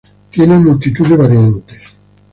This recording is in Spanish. Tiene multitud de variantes.